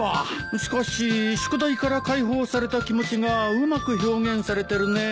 しかし宿題から解放された気持ちがうまく表現されてるねえ。